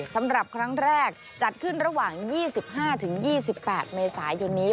สำหรับครั้งแรกจัดขึ้นระหว่าง๒๕๒๘เมษายนนี้